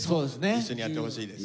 一緒にやってほしいですね。